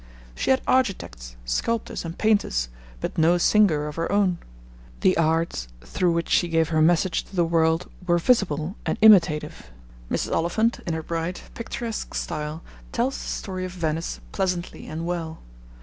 She had architects, sculptors and painters, but no singer of her own. The arts through which she gave her message to the world were visible and imitative. Mrs. Oliphant, in her bright, picturesque style, tells the story of Venice pleasantly and well.